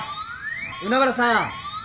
海原さん！